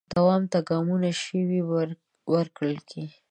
دوام ته ګامونو شوي ورکړل کې